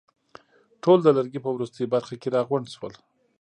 ټول د لرګي په وروستۍ برخه کې راغونډ شول.